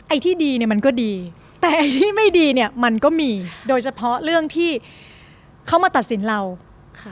ไอ้ที่ดีเนี่ยมันก็ดีแต่ไอ้ที่ไม่ดีเนี่ยมันก็มีโดยเฉพาะเรื่องที่เขามาตัดสินเราค่ะ